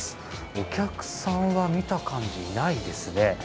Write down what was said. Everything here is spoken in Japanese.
お客さんは見た感じいないですね。